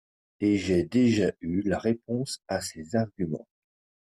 Et j’ai déjà eu la réponse à ces arguments.